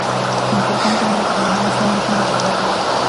Lo importante era que teníamos un himno de guerra".